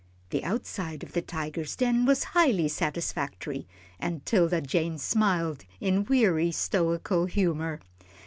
The outside of the tiger's den was highly satisfactory, and 'Tilda Jane smiled in weary stoical humour.